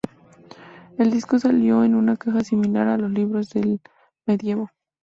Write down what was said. El disco salió en una caja similar a los libros del medievo.